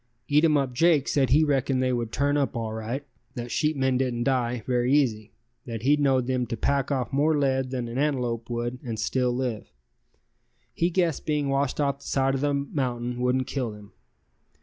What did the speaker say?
Eatumup Jake said he reckoned they would turn up all right, that sheepmen didn't die very easy, that he knowed them to pack off more lead than an antelope would and still live; he guessed being washed off the side of the mountain wouldn't kill them.